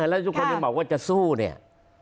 แล้วทุกคนยังบอกว่าจะสู้เนี่ย